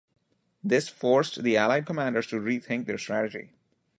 This forced the Allied commanders to re-think their strategy.